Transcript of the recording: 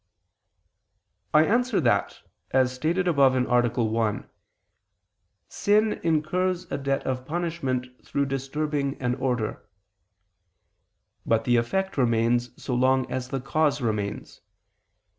I answer that, As stated above (A. 1), sin incurs a debt of punishment through disturbing an order. But the effect remains so long as the cause remains.